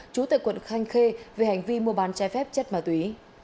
chủ tịch quận khanh khê về hành vi mua bán trái phép chất ma túy